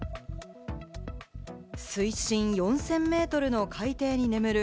水深４０００メートルの海底に眠る